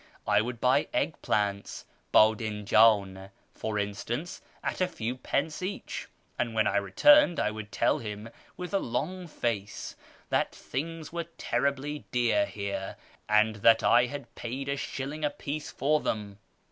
I would buy egg plants (hddinjdn), for instance, at a few pence each, and when I returned I would tell him with a long face that things were terribly dear here, and that I had paid a shilling a piece for them.